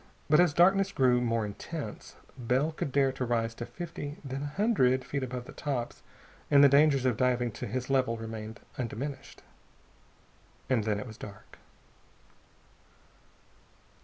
But as darkness grew more intense, Bell could dare to rise to fifty, then a hundred feet above the tops, and the dangers of diving to his level remained undiminished. And then it was dark.